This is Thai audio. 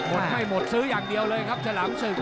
หมดไม่หมดซื้ออย่างเดียวเลยครับฉลามศึก